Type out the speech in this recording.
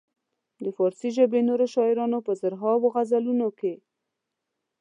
د فارسي ژبې نورو شاعرانو په زرهاوو غزلونو کې.